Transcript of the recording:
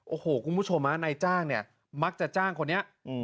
โอ้โหคุณผู้ชมนายจ้างเนี่ยมักจะจ้างคนนี้